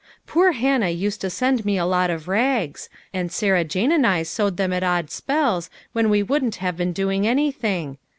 Poor Hannah used to send me a lot of rags, and Sarah Jane and I sewed them at odd spells when we wouldn't have been doing anything.